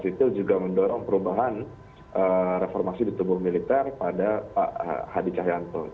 kita juga ingin ber tutidik secara jelas dan proses balasan luas